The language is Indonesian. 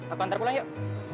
aku hantar pulang yuk